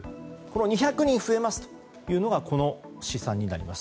２００人増えますというのがこの試算になります。